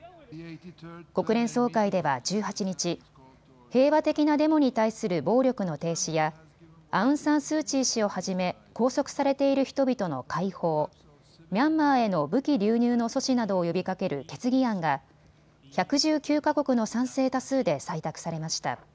国連総会では１８日、平和的なデモに対する暴力の停止やアウン・サン・スー・チー氏をはじめ拘束されている人々の解放、ミャンマーへの武器流入の阻止などを呼びかける決議案が１１９か国の賛成多数で採択されました。